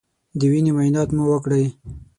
د وینې معاینات مو وکړی